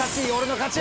勝ち！